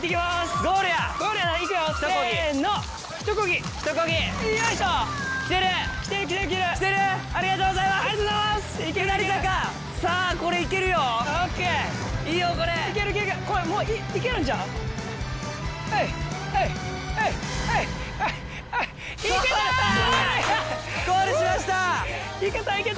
ゴールしました！